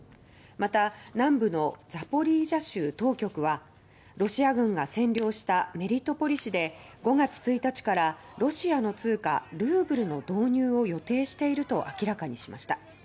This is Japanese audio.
また、南部のザポリージャ州当局はロシア軍が占領したメリトポリ市で５月１日から、ロシアの通貨ルーブルの導入を予定していると明らかにしました。